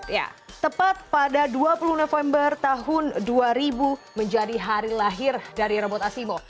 ya tepat pada dua puluh november tahun dua ribu menjadi hari lahir dari robot asimo